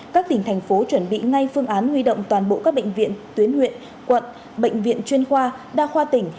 các tỉnh thành phố chuẩn bị ngay phương án huy động toàn bộ các bệnh viện tuyến huyện quận bệnh viện chuyên khoa đa khoa tỉnh